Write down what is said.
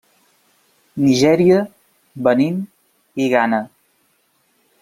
Nigèria, Benín i Ghana.